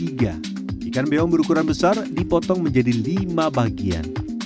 ikan beong berukuran sedang dipotong menjadi tiga